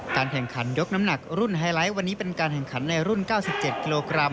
แข่งขันยกน้ำหนักรุ่นไฮไลท์วันนี้เป็นการแข่งขันในรุ่น๙๗กิโลกรัม